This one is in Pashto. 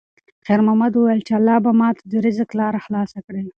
خیر محمد وویل چې الله به ماته د رزق لاره خلاصه کړي.